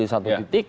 di satu titik